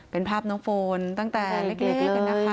เป็นภาพน้องโฟนตั้งแต่เล็กนะคะ